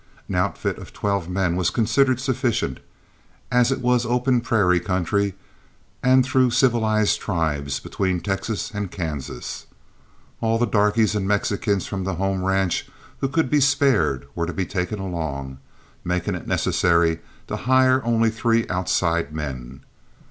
An outfit of twelve men was considered sufficient, as it was an open prairie country and through civilized tribes between Texas and Kansas. All the darkies and Mexicans from the home ranch who could be spared were to be taken along, making it necessary to hire only three outside men.